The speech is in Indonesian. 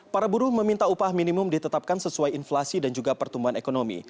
para buruh meminta upah minimum ditetapkan sesuai inflasi dan juga pertumbuhan ekonomi